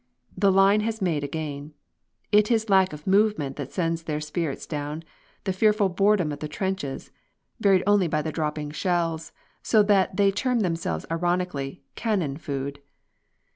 The line has made a gain. It is lack of movement that sends their spirits down, the fearful boredom of the trenches, varied only by the dropping shells, so that they term themselves, ironically, "Cannon food."